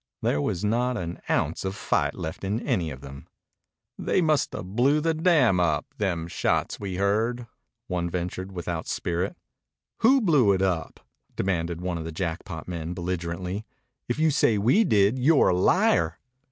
There was not an ounce of fight left in any of them. "They must 'a' blew the dam up. Them shots we heard!" one ventured without spirit. "Who blew it up?" demanded one of the Jackpot men belligerently. "If you say we did, you're a liar."